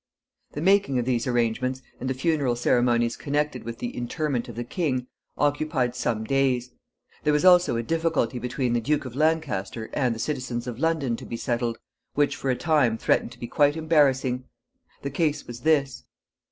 The making of these arrangements, and the funeral ceremonies connected with the interment of the king, occupied some days. There was also a difficulty between the Duke of Lancaster and the citizens of London to be settled, which for a time threatened to be quite embarrassing. The case was this.